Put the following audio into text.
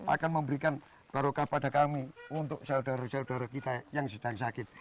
akan memberikan barokah pada kami untuk saudara saudara kita yang sedang sakit